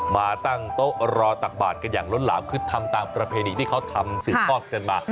มาตั้งโต๊ะรอตักบาดกันอย่างล้นหลามคือทำตามประเพณีที่เขาทำสืบทอดกันมา